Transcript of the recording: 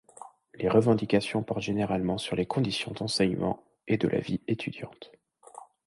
Les revendications portent généralement sur les conditions d'enseignement et de la vie étudiante.